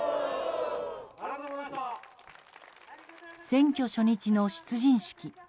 選挙初日の出陣式。